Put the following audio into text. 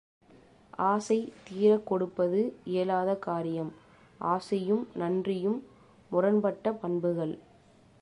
ஆசை தீரக் கொடுப்பது இயலாத காரியம். ஆசையும் நன்றியும் முரண்பட்ட பண்புகள்.